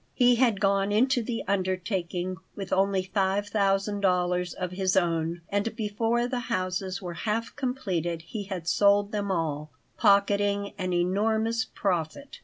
He had gone into the undertaking with only five thousand dollars of his own, and before the houses were half completed he had sold them all, pocketing an enormous profit.